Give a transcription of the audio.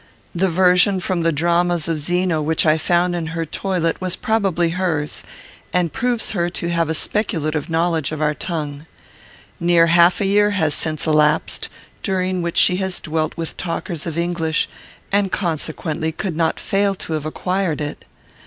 The version from the dramas of Zeno which I found in her toilet was probably hers, and proves her to have a speculative knowledge of our tongue. Near half a year has since elapsed, during which she has dwelt with talkers of English, and consequently could not fail to have acquired it.